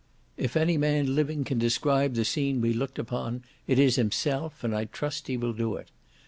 If any man living can describe the scene we looked upon it is himself, and I trust he will do it.